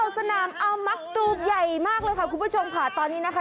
สนามอัลมักตัวใหญ่มากเลยค่ะคุณผู้ชมค่ะตอนนี้นะคะ